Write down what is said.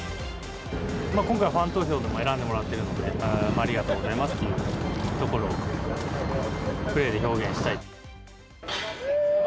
今回、ファン投票でも選んでもらってるんで、ありがとうございますというところをプレーで表現したい。